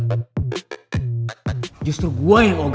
kau pukul patiente loh